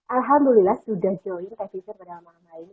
alhamdulillah sudah join teh vivid pada malam hari ini